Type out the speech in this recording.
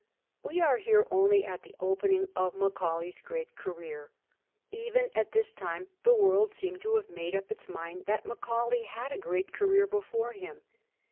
We are here only at the opening of Macaulay's great career. Even at this time the world seemed to have made up its mind that Macaulay had a great career before him.